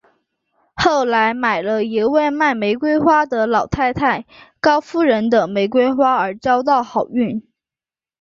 后来买了一位卖玫瑰花的老太太高夫人的玫瑰花而交到好运。